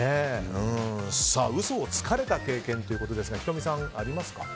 嘘をつかれた経験ということですが仁美さん、ありますか？